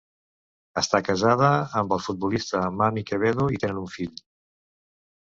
Està casada amb el futbolista Mami Quevedo i tenen un fill.